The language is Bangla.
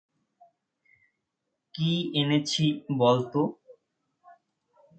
কি এনেছি বলতো?